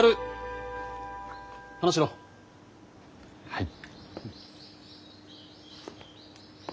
はい。